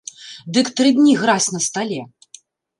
Дык тры дні гразь на стале.